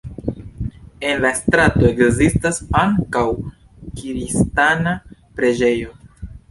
En la strato ekzistas ankaŭ kristana preĝejo.